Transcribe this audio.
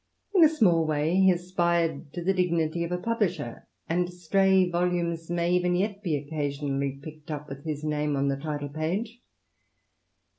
In a small way .spired to the dignity of a publisher, and stray volumes even yet be occasionally picked up with his name on itle page.